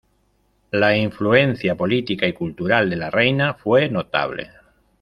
La influencia política y cultural de la reina fue notable.